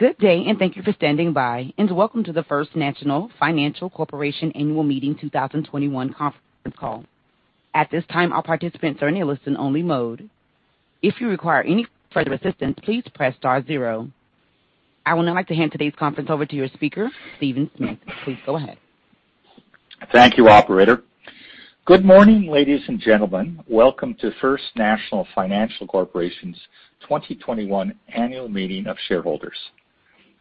Good day, thank you for standing by, and welcome to the First National Financial Corporation annual meeting 2021 conference call. At this time, all participants are in listen-only mode. If you require any further assistance, please press star zero. I would now like to hand today's conference over to your speaker, Stephen Smith. Please go ahead. Thank you, operator. Good morning, ladies and gentlemen. Welcome to First National Financial Corporation's 2021 Annual Meeting of Shareholders.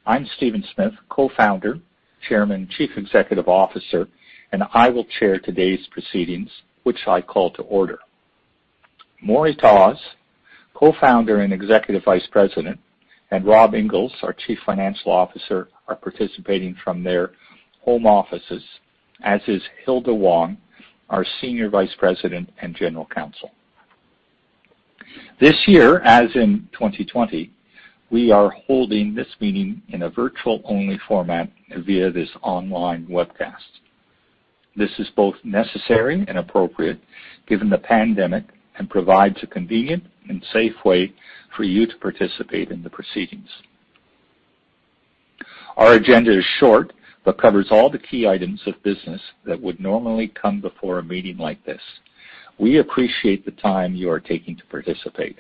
I'm Stephen Smith, Co-Founder, Chairman, Chief Executive Officer, and I will chair today's proceedings, which I call to order. Moray Tawse, Co-Founder and Executive Vice President, and Robert Inglis, our Chief Financial Officer, are participating from their home offices, as is Hilda Wong, our Senior Vice President and General Counsel. This year, as in 2020, we are holding this meeting in a virtual-only format via this online webcast. This is both necessary and appropriate given the pandemic and provides a convenient and safe way for you to participate in the proceedings. Our agenda is short but covers all the key items of business that would normally come before a meeting like this. We appreciate the time you are taking to participate.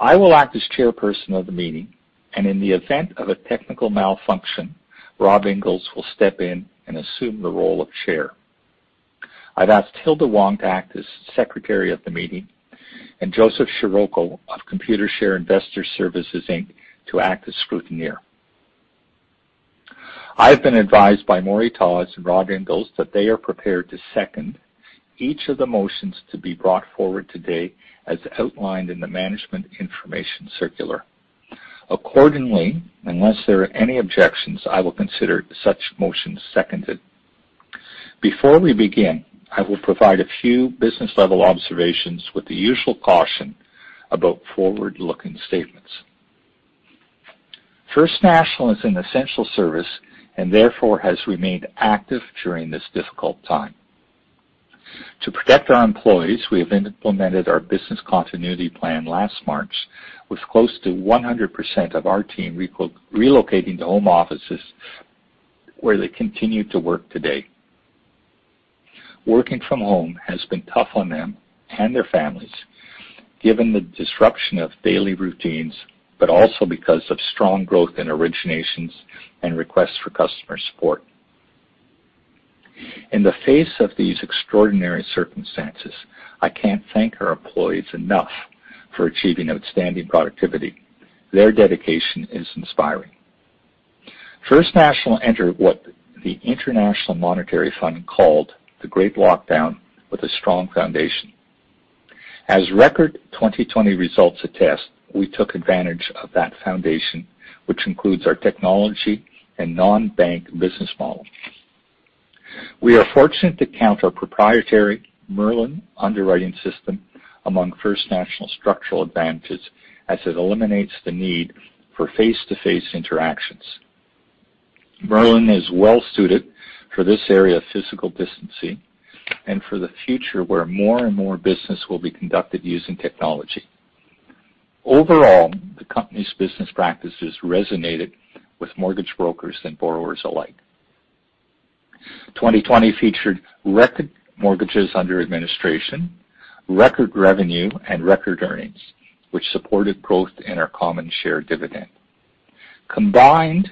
I will act as chairperson of the meeting, and in the event of a technical malfunction, Robert Inglis will step in and assume the role of chair. I've asked Hilda Wong to act as secretary of the meeting and Joseph Scirico of Computershare Investor Services Inc. to act as scrutineer. I've been advised by Moray Tawse and Robert Inglis that they are prepared to second each of the motions to be brought forward today as outlined in the management information circular. Accordingly, unless there are any objections, I will consider such motions seconded. Before we begin, I will provide a few business-level observations with the usual caution about forward-looking statements. First National is an essential service and therefore has remained active during this difficult time. To protect our employees, we have implemented our business continuity plan last March, with close to 100% of our team relocating to home offices where they continue to work today. Working from home has been tough on them and their families, given the disruption of daily routines, but also because of strong growth in originations and requests for customer support. In the face of these extraordinary circumstances, I can't thank our employees enough for achieving outstanding productivity. Their dedication is inspiring. First National entered what the International Monetary Fund called the Great Lockdown with a strong foundation. As record 2020 results attest, we took advantage of that foundation, which includes our technology and non-bank business model. We are fortunate to count our proprietary MERLIN underwriting system among First National structural advantages as it eliminates the need for face-to-face interactions. MERLIN is well suited for this area of physical distancing and for the future where more and more business will be conducted using technology. Overall, the company's business practices resonated with mortgage brokers and borrowers alike. 2020 featured record mortgages under administration, record revenue, and record earnings, which supported growth in our common share dividend. Combined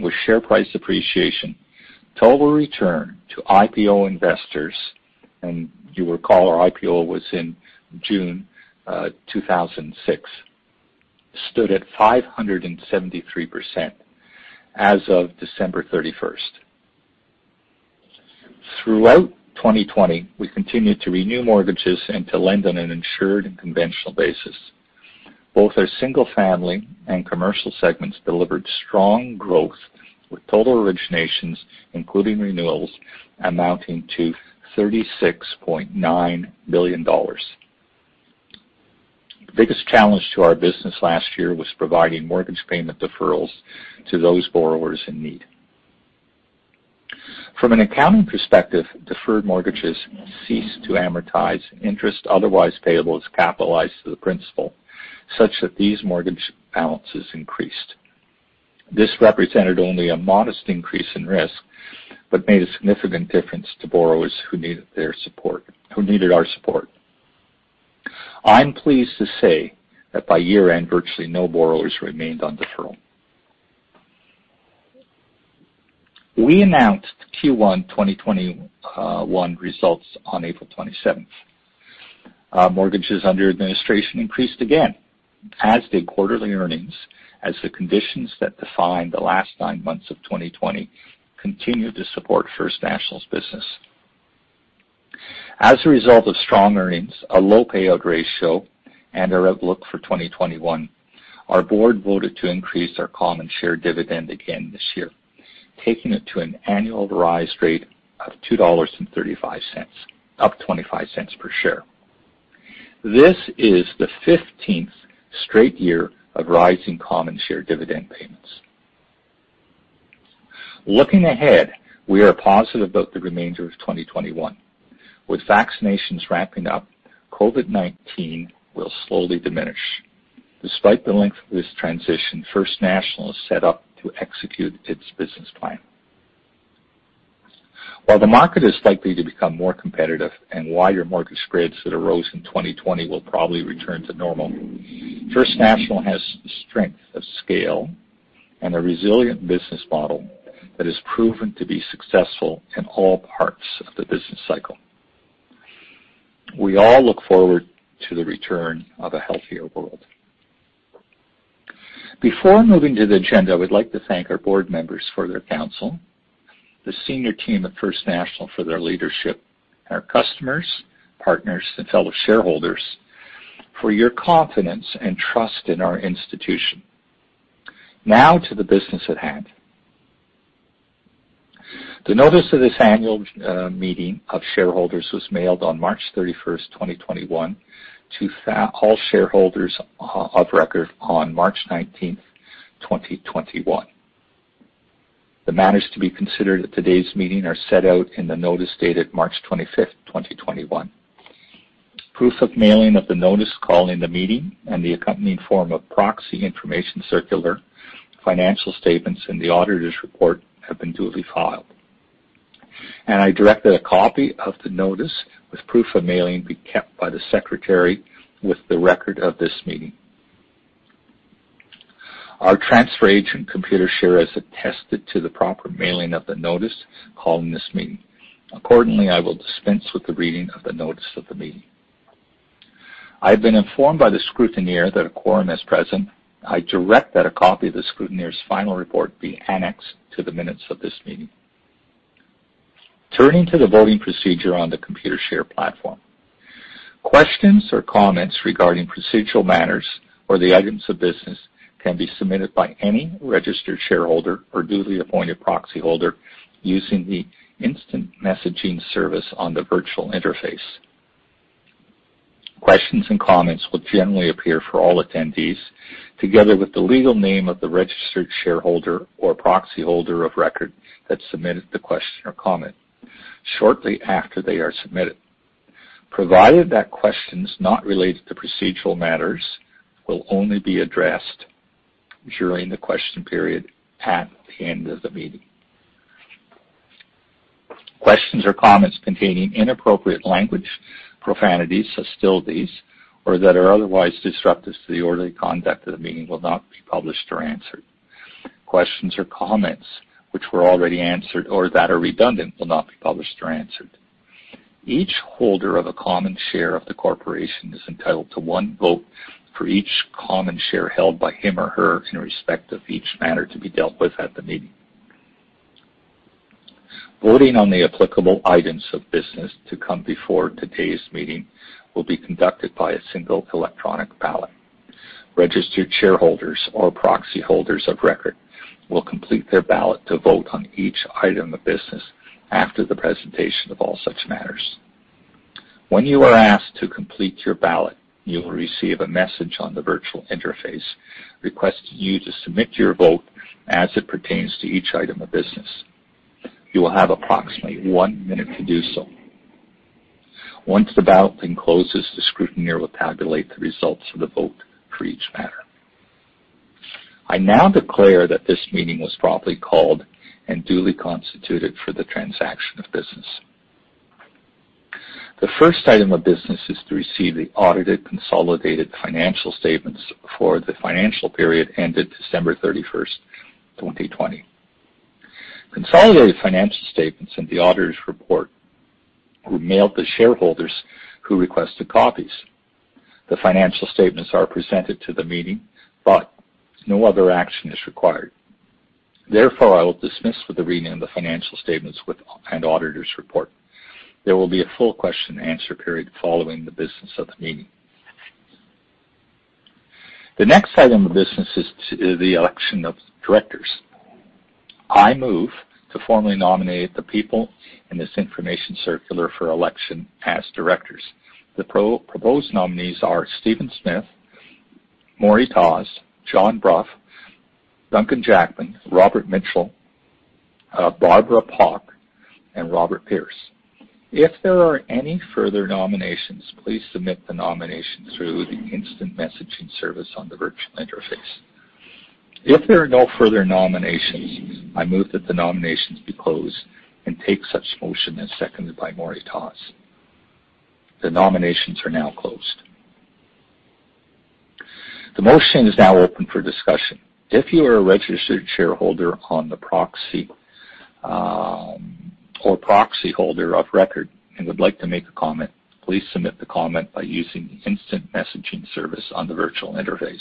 with share price appreciation, total return to IPO investors, and you recall our IPO was in June 2006, stood at 573% as of December 31st. Throughout 2020, we continued to renew mortgages and to lend on an insured and conventional basis. Both our single-family and commercial segments delivered strong growth, with total originations, including renewals, amounting to 36.9 billion dollars. The biggest challenge to our business last year was providing mortgage payment deferrals to those borrowers in need. From an accounting perspective, deferred mortgages ceased to amortize interest otherwise payable as capitalized to the principal, such that these mortgage balances increased. This represented only a modest increase in risk but made a significant difference to borrowers who needed our support. I'm pleased to say that by year-end, virtually no borrowers remained on deferral. We announced Q1 2021 results on April 27th. Our mortgages under administration increased again, as did quarterly earnings, as the conditions that defined the last nine months of 2020 continued to support First National's business. As a result of strong earnings, a low payout ratio, and our outlook for 2021, our board voted to increase our common share dividend again this year, taking it to an annualized rate of 2.35 dollars, up 0.25 per share. This is the 15th straight year of rising common share dividend payments. Looking ahead, we are positive about the remainder of 2021. With vaccinations wrapping up, COVID-19 will slowly diminish. Despite the length of this transition, First National is set up to execute its business plan. While the market is likely to become more competitive and wider market spreads that arose in 2020 will probably return to normal, First National has the strength of scale and a resilient business model that has proven to be successful in all parts of the business cycle. We all look forward to the return of a healthier world. Before moving to the agenda, we'd like to thank our board members for their counsel, the senior team at First National for their leadership, our customers, partners and fellow shareholders for your confidence and trust in our institution. Now to the business at hand. The notice of this annual meeting of shareholders was mailed on March 31st, 2021, to all shareholders of record on March 19th, 2021. The matters to be considered at today's meeting are set out in the notice dated March 25th, 2021. Proof of mailing of the notice calling the meeting and the accompanying form of proxy information circular, financial statements, and the auditor's report have been duly filed. I direct that a copy of the notice with proof of mailing be kept by the Secretary with the record of this meeting. Our transfer agent, Computershare, has attested to the proper mailing of the notice calling this meeting. Accordingly, I will dispense with the reading of the notice of the meeting. I have been informed by the scrutineer that a quorum is present. I direct that a copy of the scrutineer's final report be annexed to the minutes of this meeting. Turning to the voting procedure on the Computershare platform. Questions or comments regarding procedural matters or the items of business can be submitted by any registered shareholder or duly appointed proxy holder using the instant messaging service on the virtual interface. Questions and comments will generally appear for all attendees, together with the legal name of the registered shareholder or proxy holder of record that submitted the question or comment shortly after they are submitted, provided that questions not related to procedural matters will only be addressed during the question period at the end of the meeting. Questions or comments containing inappropriate language, profanities, hostilities, or that are otherwise disruptive to the orderly conduct of the meeting will not be published or answered. Questions or comments which were already answered or that are redundant will not be published or answered. Each holder of a common share of the corporation is entitled to one vote for each common share held by him or her in respect of each matter to be dealt with at the meeting. Voting on the applicable items of business to come before today's meeting will be conducted by a single electronic ballot. Registered shareholders or proxy holders of record will complete their ballot to vote on each item of business after the presentation of all such matters. When you are asked to complete your ballot, you will receive a message on the virtual interface requesting you to submit your vote as it pertains to each item of business. You will have approximately one minute to do so. Once the balloting closes, the scrutineer will tabulate the results of the vote for each matter. I now declare that this meeting was properly called and duly constituted for the transaction of business. The first item of business is to receive the audited consolidated financial statements for the financial period ended December 31st, 2020. Consolidated financial statements and the auditor's report were mailed to shareholders who requested copies. The financial statements are presented to the meeting, but no other action is required. Therefore, I will dismiss with the reading of the financial statements and auditor's report. There will be a full question and answer period following the business of the meeting. The next item of business is the election of directors. I move to formally nominate the people in this information circular for election as directors. The proposed nominees are Stephen Smith, Moray Tawse, John Brough, Duncan Jackman, Robert Mitchell, Barbara Palk, and Robert Pearce. If there are any further nominations, please submit the nomination through the instant messaging service on the virtual interface. If there are no further nominations, I move that the nominations be closed and take such motion as seconded by Moray Tawse. The nominations are now closed. The motion is now open for discussion. If you are a registered shareholder on the proxy or proxy holder of record and would like to make a comment, please submit the comment by using the instant messaging service on the virtual interface.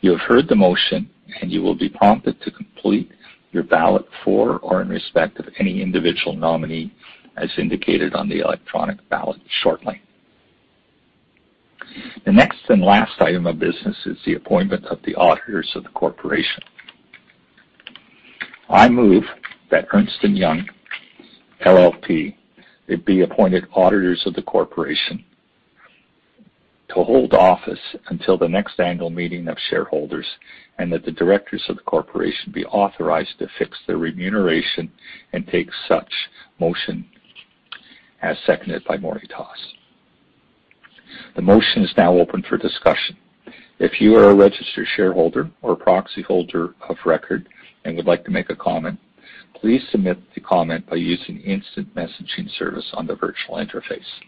You have heard the motion, and you will be prompted to complete your ballot for or in respect of any individual nominee as indicated on the electronic ballot shortly. The next and last item of business is the appointment of the auditors of the corporation. I move that Ernst & Young LLP be appointed auditors of the corporation. To hold office until the next annual meeting of shareholders, and that the directors of the corporation be authorized to fix their remuneration and take such motion as seconded by Moray Tawse. The motion is now open for discussion. If you are a registered shareholder or proxyholder of record and would like to make a comment, please submit the comment by using instant messaging service on the virtual interface.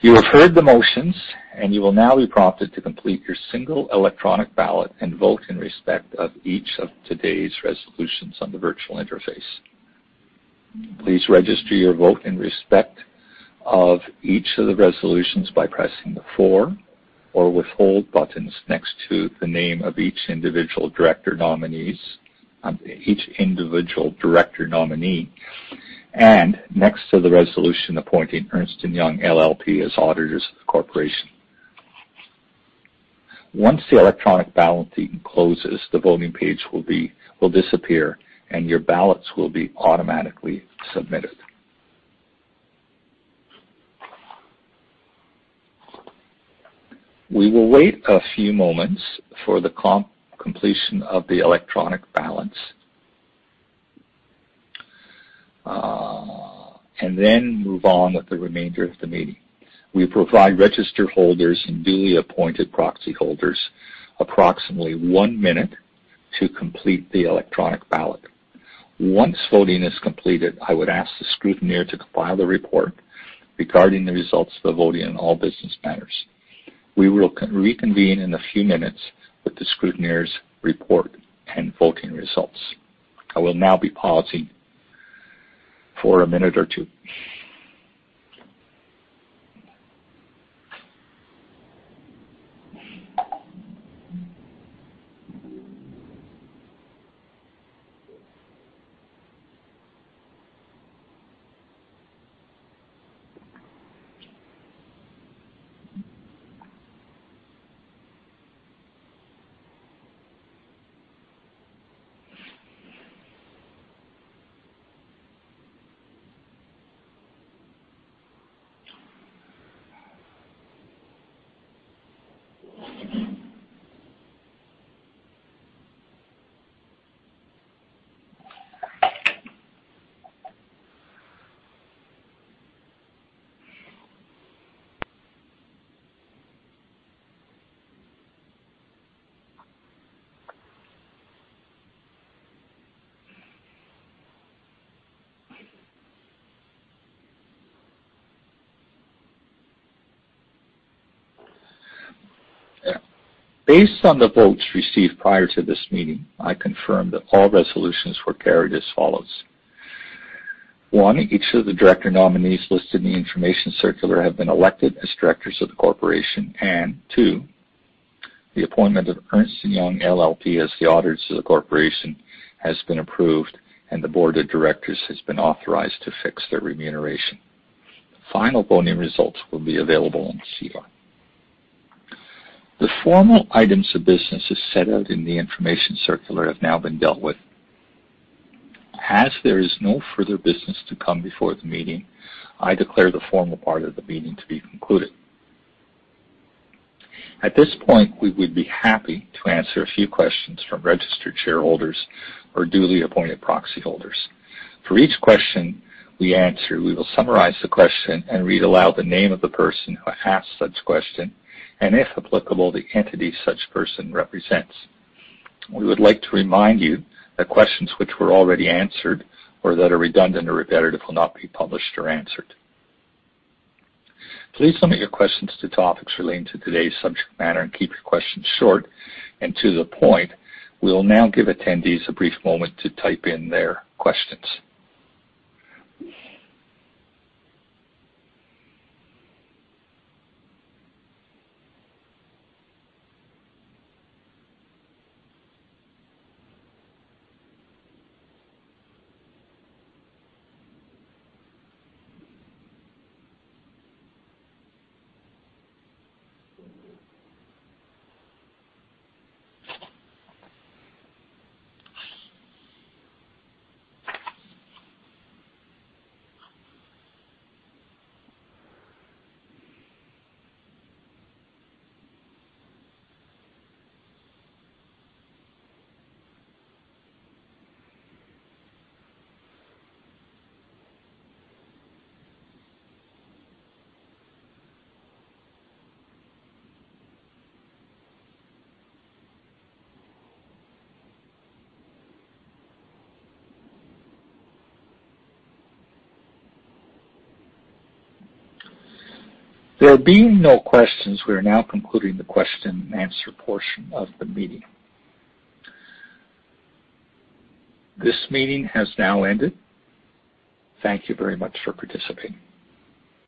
You have heard the motions, and you will now be prompted to complete your single electronic ballot and vote in respect of each of today's resolutions on the virtual interface. Please register your vote in respect of each of the resolutions by pressing the for or withhold buttons next to the name of each individual director nominee, and next to the resolution appointing Ernst & Young LLP as auditors of the corporation. Once the electronic balloting closes, the voting page will disappear, and your ballots will be automatically submitted. We will wait a few moments for the completion of the electronic ballots, and then move on with the remainder of the meeting. We provide register holders and duly appointed proxy holders approximately one minute to complete the electronic ballot. Once voting is completed, I would ask the scrutineer to compile a report regarding the results of the voting on all business matters. We will reconvene in a few minutes with the scrutineer's report and voting results. I will now be pausing for a minute or two. Based on the votes received prior to this meeting, I confirm that all resolutions were carried as follows. One, each of the director nominees listed in the information circular have been elected as directors of the corporation. Two, the appointment of Ernst & Young LLP as the auditors of the corporation has been approved, and the board of directors has been authorized to fix their remuneration. Final voting results will be available on SEDAR. The formal items of business as set out in the information circular have now been dealt with. As there is no further business to come before the meeting, I declare the formal part of the meeting to be concluded. At this point, we would be happy to answer a few questions from registered shareholders or duly appointed proxyholders. For each question we answer, we will summarize the question and read aloud the name of the person who asked such question, and if applicable, the entity such person represents. We would like to remind you that questions which were already answered or that are redundant or repetitive will not be published or answered. Please limit your questions to topics relating to today's subject matter and keep your questions short and to the point. We will now give attendees a brief moment to type in their questions. There being no questions, we are now concluding the question and answer portion of the meeting. This meeting has now ended. Thank you very much for participating.